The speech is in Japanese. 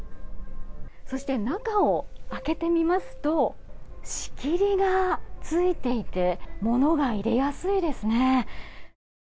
そして、中を開けてみますと仕切りがついていて物が入れやすいですね。